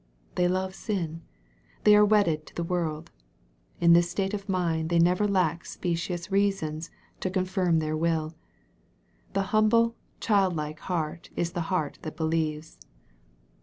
They love sin. They are wedded to the world. In this state of mind they never lack specious reasons to confirm their will. The humble, child like heart is the heart that believes.